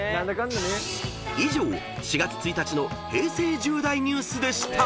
［以上４月１日の平成１０大ニュースでした］